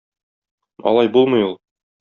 Алай булмый ул.